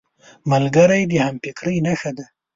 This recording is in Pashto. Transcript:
ملګری د همفکرۍ نښه ده